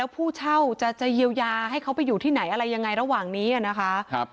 ผู้เช่าจะเยียวยาให้เขาไปอยู่ที่ไหนอะไรยังไงระหว่างนี้นะคะ